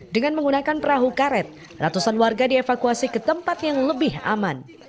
dengan menggunakan perahu karet ratusan warga dievakuasi ke tempat yang lebih aman